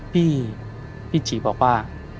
พี่กิ๊กบอกว่า